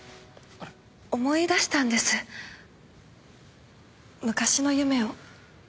思い出したんです昔の夢を。